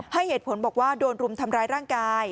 ให้เหตุผลบอกว่าโดนรุมทำร้ายร่างกาย